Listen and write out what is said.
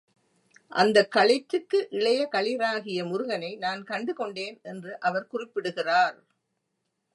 அந்தக் களிற்றுக்கு இளைய களிறாகிய முருகனை நான் கண்டு கொண்டேன் என்று அவர் குறிப்பிடுகிறார்.